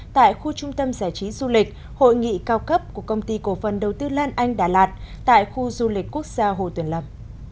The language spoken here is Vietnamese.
tại khu trung tâm giải trí du lịch hội nghị cao cấp của công ty cổ phần đầu tư lan anh đà lạt tại khu du lịch quốc gia hồ tuyển lập